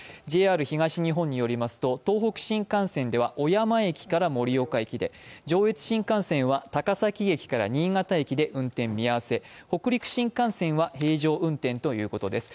ＪＲ東日本によりますと、東北新幹線では小山駅から盛岡駅で上越新幹線では高崎駅から新潟駅で、北陸新幹線は平常運転ということです。